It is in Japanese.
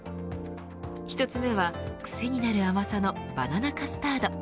１つ目はクセになる甘さのバナナカスタード。